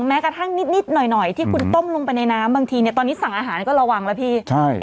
แม้กระทั่งนิดหน่อยที่คุณต้มลงไปในน้ำบางทีเนี่ยตอนนี้สั่งอาหารก็ระวังแล้วพี่